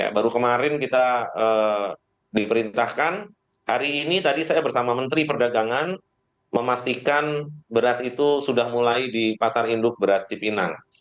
baru kemarin kita diperintahkan hari ini tadi saya bersama menteri perdagangan memastikan beras itu sudah mulai di pasar induk beras cipinang